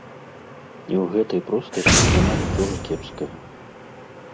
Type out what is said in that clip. І ў гэтай простасці няма нічога кепскага.